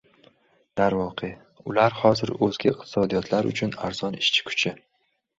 Darvoqe, ular hozir o‘zga iqtisodiyotlar uchun arzon ishchi kuchi